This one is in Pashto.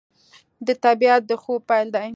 د طبیعت د خوب پیل دی